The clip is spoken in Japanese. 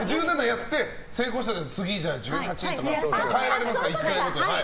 やって成功したら次１８とか変えられますから、１回ごとに。